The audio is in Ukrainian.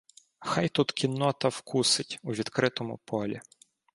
Хай тут кіннота "вкусить" у відкритому полі.